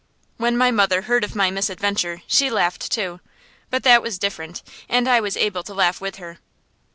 When my mother heard of my misadventure she laughed, too; but that was different, and I was able to laugh with her.